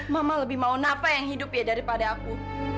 mama lebih mau napa yang hidup ya daripada aku